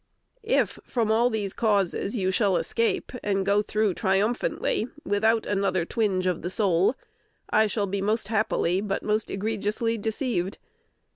_ If from all these causes you shall escape, and go through triumphantly, without another "twinge of the soul," I shall be most happily but most egregiously deceived.